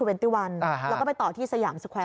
แล้วก็ไปต่อที่สยามสแควร์